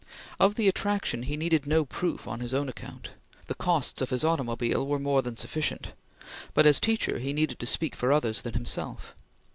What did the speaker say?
Of the attraction he needed no proof on his own account; the costs of his automobile were more than sufficient: but as teacher he needed to speak for others than himself.